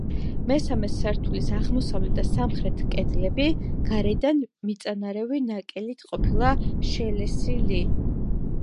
მესამე სართულის აღმოსავლეთ და სამხრეთ კედლები გარედან მიწანარევი ნაკელით ყოფილა შელესილი.